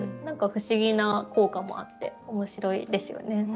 何か不思議な効果もあって面白いですよね。